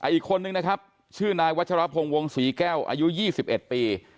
อีกคนนึงนะครับชื่อนายวัชรพงศ์วงศรีแก้วอายุ๒๑ปี